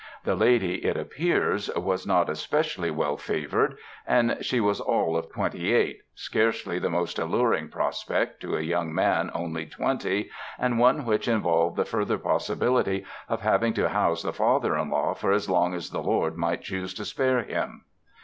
The lady, it appears, was not especially well favored and she was all of twenty eight—scarcely the most alluring prospect to a young man only twenty, and one which involved the further possibility of having to house the father in law for as long as the Lord might choose to spare him!